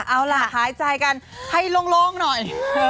เอาล่ะหายใจกันให้โล่งหน่อย